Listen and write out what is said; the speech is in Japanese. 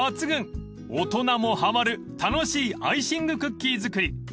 ［大人もはまる楽しいアイシングクッキー作り］